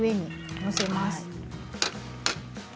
載せます。